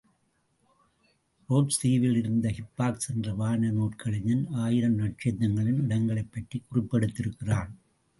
Roads தீவில் இருந்த Hipparchus என்ற வான நூற்கலைஞன் ஆயிரம் நட்சத்திரங்களின் இடங்களைப் பற்றிக் குறிப்பு எடுத்திருக்கிறான்.